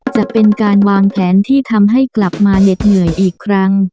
จะเป็นการวางแผนที่ทำให้กลับมาเหน็ดเหนื่อยอีกครั้ง